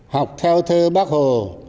học theo thơ bác hồ